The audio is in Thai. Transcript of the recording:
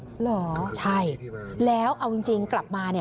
เหรอใช่แล้วเอาจริงกลับมาเนี่ย